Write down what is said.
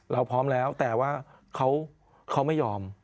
เราพร้อมแล้วแต่ว่าเขาไม่ยอม